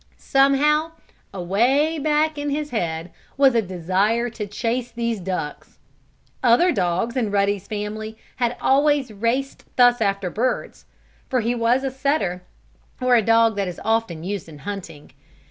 Somehow away back in his head was a desire to chase these ducks. Other dogs in Ruddy's family had always raced thus after birds; for he was a setter, or dog that is often used in hunting.